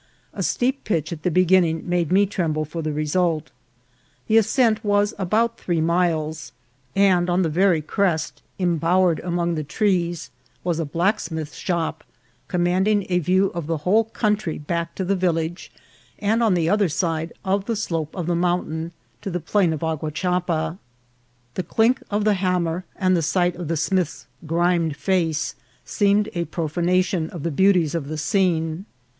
A steep pitch at, the beginning made' me tremble for the result. The as cent was about three miles, and on the very crest, im bowered among the trees, was a blacksmith's shop, commanding a view of the whole country back to the village, and on the other side, of the slope of the mount ain to the plain of Aguachapa. The clink of the ham mer and the sight of a smith's grimed face seemed a profanation of the beauties of the scene.